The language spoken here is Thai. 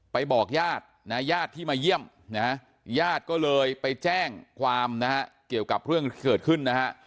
ไปบอกญาติญาติที่มาเยี่ยมญาติก็เลยไปแจ้งความเกี่ยวกับเรื่องที่เกิดขึ้น